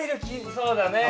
そうだね